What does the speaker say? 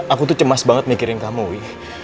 aku tuh cemas banget mikirin kamu ya